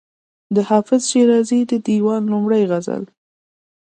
د حافظ شیرازي د دېوان لومړی غزل.